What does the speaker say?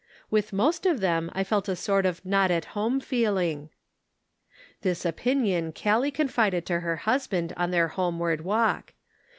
With most of them I felt a sort of not at home feeling." This opinion Callie confided to her husband on their homeward walk.